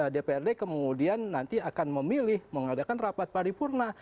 dprd kemudian nanti akan memilih mengadakan rapat paripurna